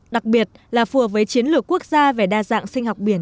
đặc biệt là phù hợp với chiến lược quốc gia về đa dạng sinh học biển